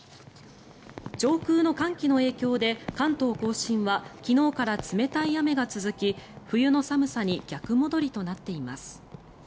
上空の寒気の影響で関東・甲信は昨日から冷たい雨が続き冬の寒さに逆戻りとなっています。